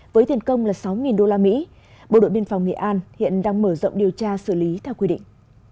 với tiền công là sáu usd bộ đội biên phòng nghệ an hiện đang mở rộng điều tra xử lý theo quy định